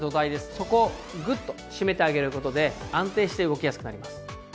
そこをグッと締めてあげる事で安定して動きやすくなります。